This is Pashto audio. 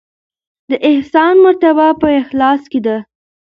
د احسان مرتبه په اخلاص کې ده.